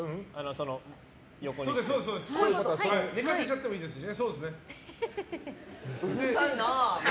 寝かせちゃってもいいですし。